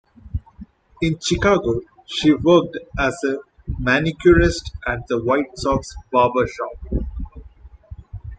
In Chicago, she worked as a manicurist at the White Sox Barber Shop.